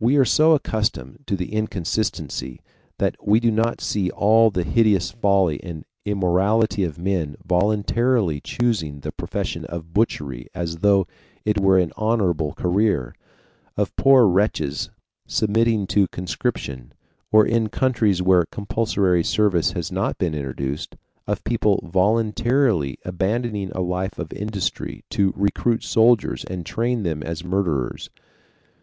We are so accustomed to the inconsistency that we do not see all the hideous folly and immorality of men voluntarily choosing the profession of butchery as though it were an honorable career, of poor wretches submitting to conscription, or in countries where compulsory service has not been introduced, of people voluntarily abandoning a life of industry to recruit soldiers and train them as murderers.